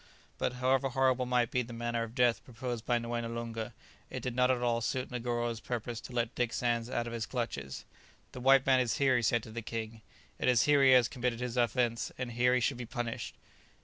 But however horrible might be the manner of death proposed by Moené Loonga, it did not at all suit Negoro's purpose to let Dick Sands out of his clutches. "The white man is here," he said to the king; "it is here he has committed his offence, and here he should be punished."